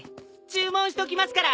注文しときますから。